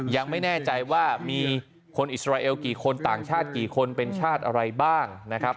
ยังไม่แน่ใจว่ามีคนอิสราเอลกี่คนต่างชาติกี่คนเป็นชาติอะไรบ้างนะครับ